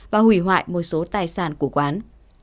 và hủy hoại một số tài sản của quán